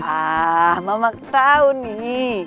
ah mama ketau nih